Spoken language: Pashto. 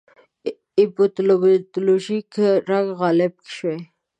اپیستیمولوژیک رنګ غالب شوی.